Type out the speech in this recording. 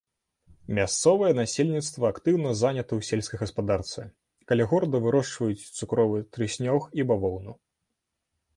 Мясцовае насельніцтва актыўна занята ў сельскай гаспадарцы, каля горада вырошчваюць цукровы трыснёг і бавоўну.